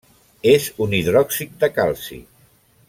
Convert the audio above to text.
És un hidròxid de calci.